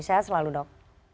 sehat selalu dok